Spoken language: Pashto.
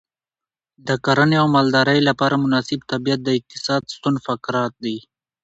د کرنې او مالدارۍ لپاره مناسب طبیعت د اقتصاد ستون فقرات دی.